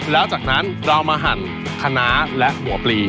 แล้วจากนั้นเรามาหั่นคณะและหัวปลี